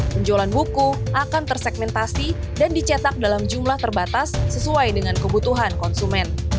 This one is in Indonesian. penjualan buku akan tersegmentasi dan dicetak dalam jumlah terbatas sesuai dengan kebutuhan konsumen